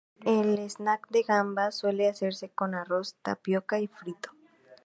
El "snack" de gamba suele hacerse con arroz o tapioca y frito.